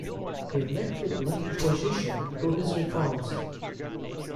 He met with much opposition to his reforms.